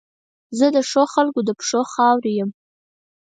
زه د ښو خلګو د پښو خاورې یم.